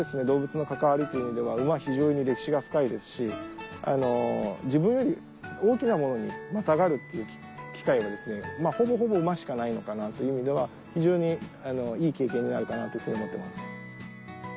動物の関わりという意味では馬は非常に歴史が深いですし自分より大きなものにまたがるっていう機会がほぼほぼ馬しかないのかなという意味では非常にいい経験になるかなというふうに思ってます。